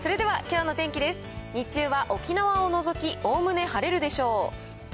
日中は沖縄を除き、おおむね晴れるでしょう。